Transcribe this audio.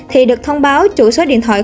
thì được thông báo chủ số điện thoại